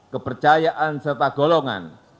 kepercayaan serta golongan